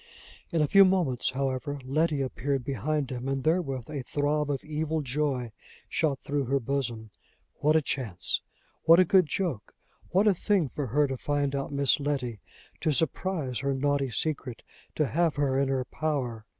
In a few minutes, however, Letty appeared behind him, and therewith a throb of evil joy shot through her bosom: what a chance! what a good joke! what a thing for her to find out Miss Letty; to surprise her naughty secret! to have her in her power!